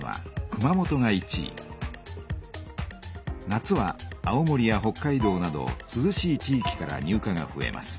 夏は青森や北海道などすずしい地いきから入荷がふえます。